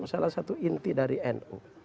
salah satu inti dari nu